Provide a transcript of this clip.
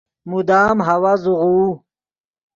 مدام ہوا زوغوؤ